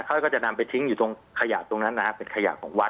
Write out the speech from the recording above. เขาก็จะนำไปทิ้งอยู่ตรงขยะตรงนั้นนะฮะเป็นขยะของวัด